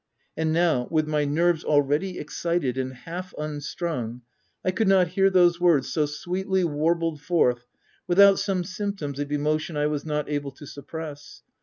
And now with my nerves already excited and half un strung, I could not hear those words so sweetly warbled forth, without some symptoms of emo tion I was not able to suppress.